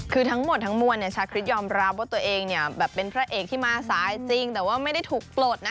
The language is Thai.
คือทั้งหมดทั้งมวลชาคริสยอมรับว่าตัวเองเนี่ยแบบเป็นพระเอกที่มาสายจริงแต่ว่าไม่ได้ถูกปลดนะ